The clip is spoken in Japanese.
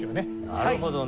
なるほどね。